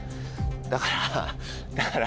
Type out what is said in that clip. だからだから。